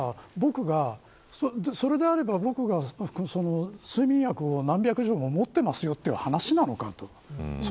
それであれば僕が睡眠薬を何百錠も持っていますという話なのか。